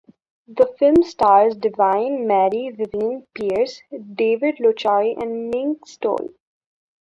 The film stars Divine, Mary Vivian Pearce, David Lochary and Mink Stole.